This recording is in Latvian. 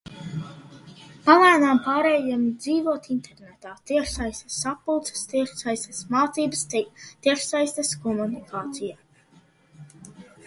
Palēnām pārejam dzīvot internetā... tiešsaistes sapulces, tiešsaistes mācības, tiešsaistes komunikācija...